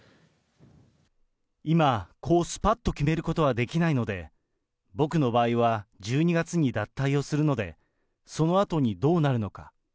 今、こう、すぱっと決めることはできないので、僕の場合は１２月に脱退をするので、そのあとにどうなるのか。